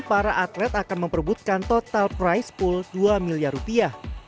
para atlet akan memperbutkan total price pool dua miliar rupiah